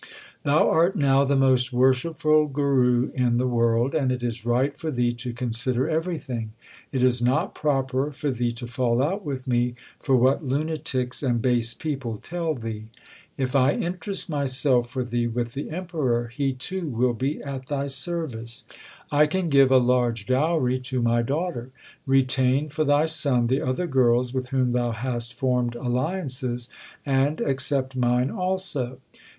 Thou art now the most worshipful Guru in the world, and it is right for thee to consider everything. It is not proper for thee to fall out with me for what lunatics and base people tell thee. If I interest myself for thee with the Emperor, he too will be at thy service. I can give a large dowry to my daughter. Retain for thy son the other girls with whom thou hast formed alliances, and accept mine also.